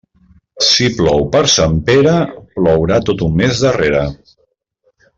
Si plou per Sant Pere, plourà tot un mes darrere.